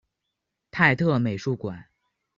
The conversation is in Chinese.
泰特美术馆。